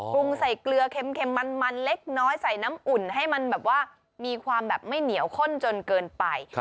ปรุงใส่เกลือเค็มมันเล็กน้อยใส่น้ำอุ่นให้มันแบบว่ามีความแบบไม่เหนียวข้นจนเกินไป